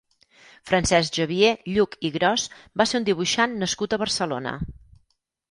Francesc Xavier Lluch i Gros va ser un dibuixant nascut a Barcelona.